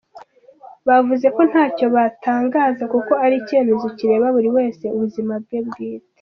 Bavuze ko ntacyo batangaza kuko ari icyemezo kireba buri wese ubuzima bwe bwite.